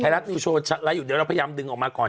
รัฐนิวโชว์ไลค์อยู่เดี๋ยวเราพยายามดึงออกมาก่อน